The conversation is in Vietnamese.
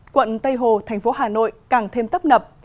quận tây hồ thành phố hà nội càng thêm tấp nập